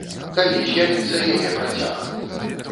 Калі з'явіцца яе працяг?